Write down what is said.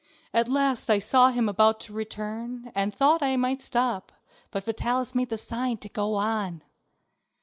At last I saw him about to return, and thought that I might stop, but Vitalis made me a sign to go on.